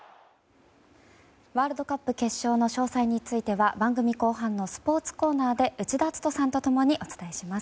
ワールドカップ決勝の詳細については番組後半のスポーツコーナーで内田篤人さんと共にお伝えします。